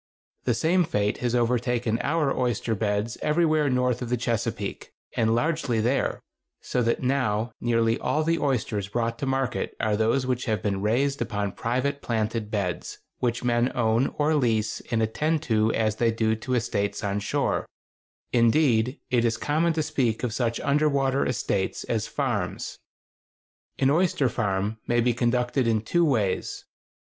The same fate has overtaken our oyster beds everywhere north of the Chesapeake, and largely there; so that now nearly all the oysters brought to market are those which have been raised upon private planted beds, which men own or lease and attend to as they do to estates on shore; indeed, it is common to speak of such under water estates as "farms." [Illustration: SEA SHELLS IN THE SURF.] An oyster farm may be conducted in two ways.